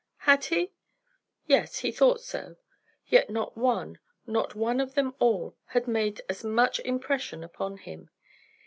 Had he? Yes, he thought so. Yet not one, not one of them all, had made as much impression upon him.